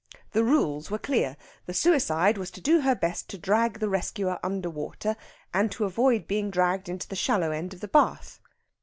The rules were clear. The suicide was to do her best to drag the rescuer under water and to avoid being dragged into the shallow end of the bath.